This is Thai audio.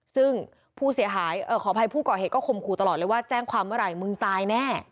ซึ่งผู้เสียหายขออภัยผู้ก่อเหตุก็คมขู่ตลอดเลยว่าแจ้งความเมื่อไหร่มึงตายแน่